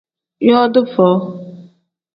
Yooti foo.